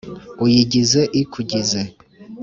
uyigize ikugize